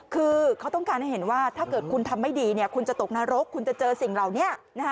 คือเขาต้องการให้เห็นว่าถ้าเกิดคุณทำไม่ดีคุณจะตกนรกคุณจะเจอสิ่งเหล่านี้